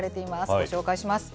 ご紹介します。